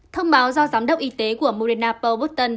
thông báo do giám đốc y tế của moderna paul burton